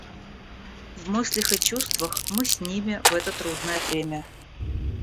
В мыслях и чувствах мы с ними в это трудное время.